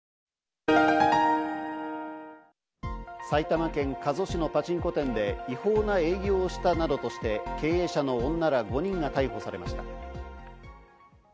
埼玉県加須市のパチンコ店で違法な営業をしたなどとして経営者の女ら５人が逮捕されました。